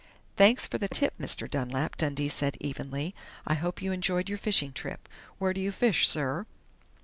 "Thanks for the tip, Mr. Dunlap," Dundee said evenly. "I hope you enjoyed your fishing trip. Where do you fish, sir?"